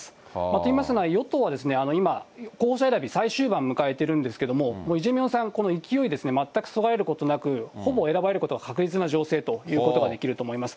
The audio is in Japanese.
といいますのは、与党は今、候補者選び最終版迎えてるんですが、イ・ジェミョンさん、この勢いですね、全くそがれることなく、ほぼ選ばれることは確実な情勢と言えることができると思います。